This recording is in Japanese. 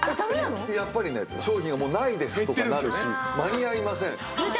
やっぱりね商品がないですとかなるし間に合いません。